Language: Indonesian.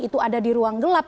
itu ada di ruang gelap